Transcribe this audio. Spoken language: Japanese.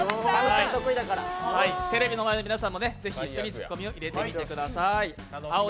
テレビの前の皆さんもぜひ、一緒にツッコミを入れてみてください。